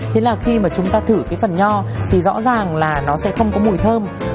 thế là khi mà chúng ta thử cái phần nho thì rõ ràng là nó sẽ không có mùi thơm